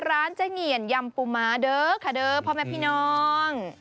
ร้านเจ๊เหงียนยำปูม้าเด้อค่ะเด้อพ่อแม่พี่น้อง